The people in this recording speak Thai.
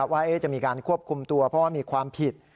ว่าจะมีการควบคุมตัวเพราะว่ามีความผิด